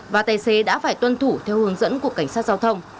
và tài xế đã phải tuân thủ theo hướng dẫn của cảnh sát giao thông